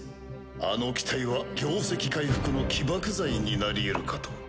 あの機体は業績回復の起爆剤になりえるかと。